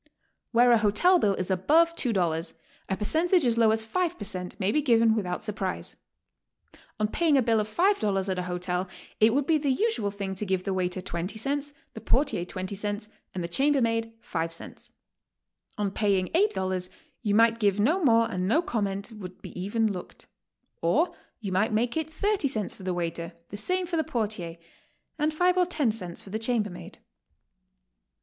Where a hotel bill is above $2, a percentage as low as five per cent, may be given without surprise. On paying a bill of $5 at a hotel it would be the usual thing to give the waiter twenty cents, the portier twenty cents, and the chambermaid five cents. On paying $8 you might give no more and no comment would be even looked; or you might make it thirty cents for the waiter, the same for the portier, and five or ten cents for the chambermaid.